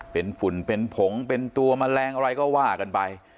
เป็นฝุ่นเป็นผงเป็นตัวแมลงอะไรก็ว่ากันไป